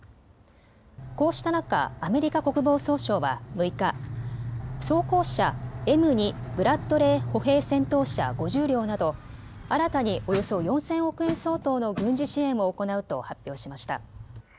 こうした中、アメリカ国防総省は６日、装甲車Ｍ２ブラッドレー歩兵戦闘車５０両など、新たにおよそ４０００億円相当の軍事支援を行うと発表しました。